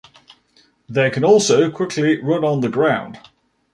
They can also quickly run on the ground.